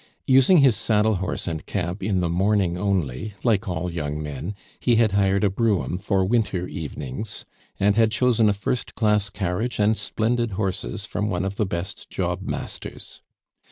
Using his saddle horse and cab in the morning only, like all young men, he had hired a brougham for winter evenings, and had chosen a first class carriage and splendid horses from one of the best job masters.